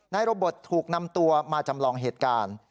โรเบิร์ตถูกนำตัวมาจำลองเหตุการณ์